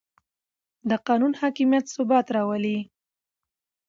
د قانون حاکمیت ثبات راولي